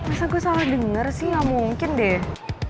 masa gue salah dengar sih gak mungkin deh